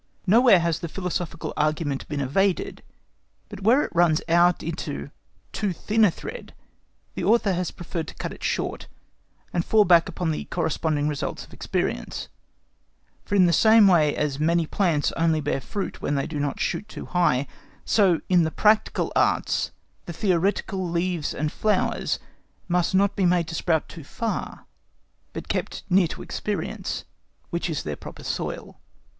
Nowhere has the philosophical argument been evaded, but where it runs out into too thin a thread the Author has preferred to cut it short, and fall back upon the corresponding results of experience; for in the same way as many plants only bear fruit when they do not shoot too high, so in the practical arts the theoretical leaves and flowers must not be made to sprout too far, but kept near to experience, which is their proper soil.